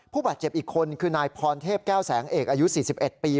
ผู้บาดเจ็บอีกคนคือนายพรเทพแก้วแสงเอกอายุ๔๑ปี